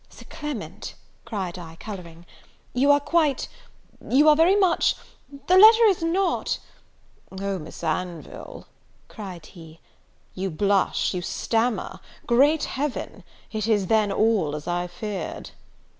"Sir Clement," cried I, colouring, "you are quite you are very much the letter is not " "O, Miss Anville," cried he, "you blush! you stammer! Great Heaven! it is then all as I feared!"